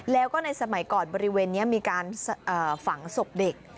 แล้วก็ในสมัยก่อนบริเวณนี้มีการฝังศพเด็ก